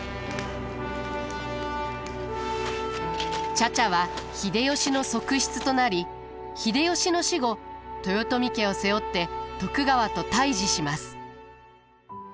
茶々は秀吉の側室となり秀吉の死後豊臣家を背負って徳川と対じします。